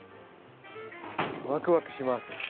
ワクワクします。